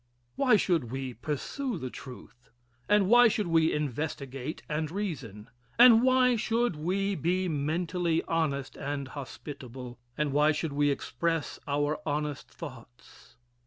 Why should we pursue the truth? and why should we investigate and reason? and why should we be mentally honest and hospitable? and why should we express our honest thoughts?